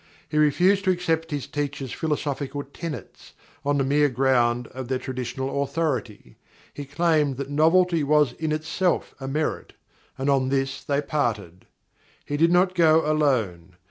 He refused to accept his teacher's philosophical tenets on the mere ground of their traditional authority. He claimed that novelty was in itself a merit, and on this they parted. He did not go alone.